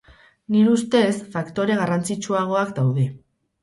Nire ustez, faktore garrantzitsuagoak daude.